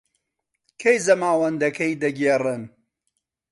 کەی زەماوەندەکەی دەگێڕن؟